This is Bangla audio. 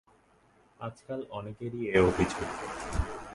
আজকাল অনেকেরই এ অভিযোগ।